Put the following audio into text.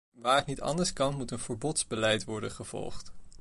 Waar het niet anders kan moet een verbodsbeleid worden gevolgd.